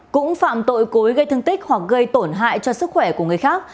cũng phạm tội cố ý gây thương tích hoặc gây tổn hại cho sức khỏe của người khác